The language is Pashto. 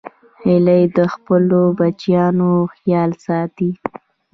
هیلۍ د خپلو بچیانو خیال ساتي